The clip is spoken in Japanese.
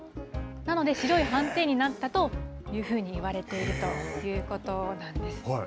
なので、白い斑点になったというふうにいわれているということなんです。